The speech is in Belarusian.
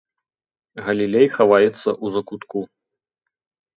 Галілей хаваецца ў закутку.